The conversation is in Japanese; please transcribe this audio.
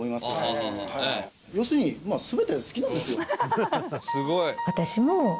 要するにまあ全て好きなんですよ。